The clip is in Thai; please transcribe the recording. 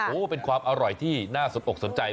โอ้โหเป็นความอร่อยที่น่าสนอกสนใจ